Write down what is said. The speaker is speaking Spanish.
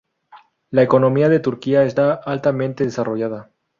La economía de Turquía está altamente desarrollada.